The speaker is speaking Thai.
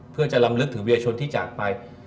เพื่อจะลำลึกถึงเวียชนที่จากไป